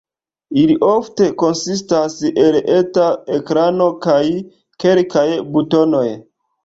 Ili ofte konsistas el eta ekrano kaj kelkaj butonoj.